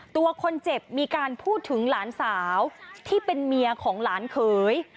ตัวคนเจ็บมีการพูดถึงหลานสาวที่เป็นเมียของหลานเขย